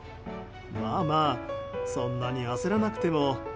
まあまあそんなに焦らなくても。